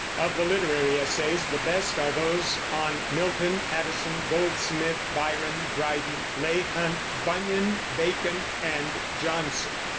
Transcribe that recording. Of the literary essays the best are those on Milton, Addison, Goldsmith, Byron, Dryden, Leigh Hunt, Bunyan, Bacon, and Johnson.